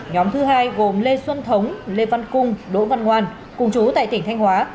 nhóm thứ hai gồm lê xuân thống lê văn cung đỗ văn ngoan cùng chú tại tỉnh thanh hóa